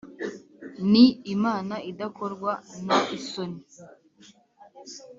ni imana idakorwa n isoni